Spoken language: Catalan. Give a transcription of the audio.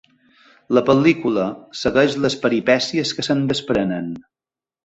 La pel·lícula segueix les peripècies que se'n desprenen.